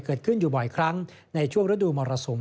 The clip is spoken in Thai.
เกิดขึ้นอยู่บ่อยครั้งในช่วงฤดูมรสุม